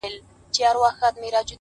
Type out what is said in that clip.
زه به ژوندی یم بهار به راسي -